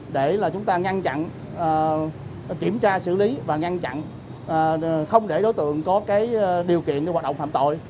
để chúng ta ngăn chặn kiểm tra xử lý và ngăn chặn không để đối tượng có điều kiện hoạt động phạm tội